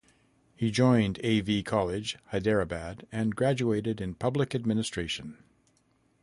He joined A. V. College, Hyderabad and graduated in public administration.